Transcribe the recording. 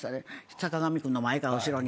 坂上君の前か後ろに。